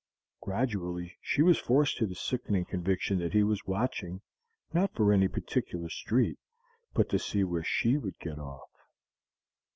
Gradually she was forced to the sickening conviction that he was watching, not for any particular street, but to see where she would get off.